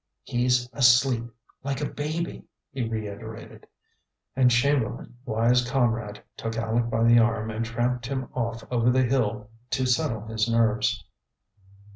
"He's asleep like a baby!" he reiterated. And Chamberlain, wise comrade, took Aleck by the arm and tramped him off over the hill to settle his nerves.